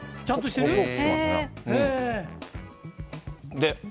ちゃんとしてる？